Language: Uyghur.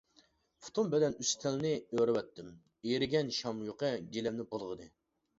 پۇتۇم بىلەن ئۈستەلنى ئۆرۈۋەتتىم، ئېرىگەن شام يۇقى گىلەمنى بۇلغىدى.